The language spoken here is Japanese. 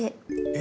え？